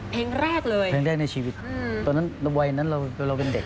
เพลงแรกเลยเพลงแรกในชีวิตตอนนั้นวัยนั้นเราเป็นเด็ก